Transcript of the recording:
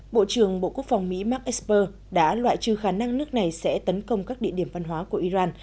bộ trưởng bộ quốc phòng mỹ mark esper đã loại trừ khả năng nước này sẽ tấn công các địa điểm văn hóa của iran